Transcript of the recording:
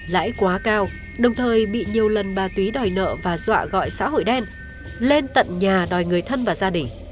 lãi quá cao đồng thời bị nhiều lần bà túy đòi nợ và dọa gọi xã hội đen lên tận nhà đòi người thân và gia đình